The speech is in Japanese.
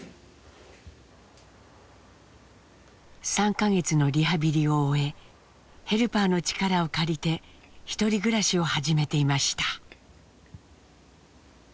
３か月のリハビリを終えヘルパーの力を借りてひとり暮らしを始めていました。